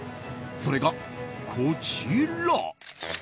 それがこちら。